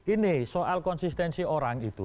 ini soal konsistensi orang itu